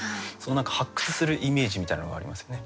発掘するイメージみたいなのがありますよね。